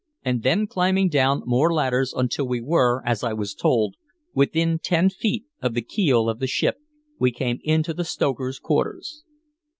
And then climbing down more ladders until we were, as I was told, within ten feet of the keel of the ship, we came into the stokers' quarters.